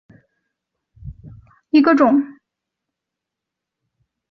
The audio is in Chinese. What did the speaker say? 岩棘千手螺为骨螺科岩芭蕉螺属下的一个种。